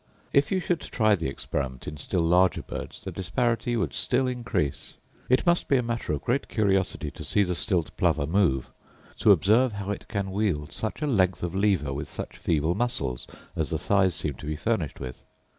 If you should try the experiment in still larger birds the disparity would still increase. It must be matter of great curiosity to see the stilt plover move; to observe how it can wield such a length of lever with such feeble muscles as the thighs seem to be furnished with.